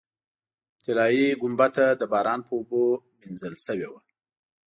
طلایي ګنبده د باران په اوبو وینځل شوې وه.